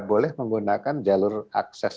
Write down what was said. boleh menggunakan jalur akses